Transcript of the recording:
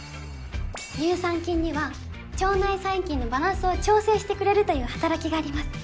乳酸菌には腸内細菌のバランスを調整してくれるという働きがあります